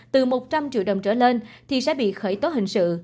từ một trăm linh triệu đồng trở lên thì sẽ bị khởi tố hình sự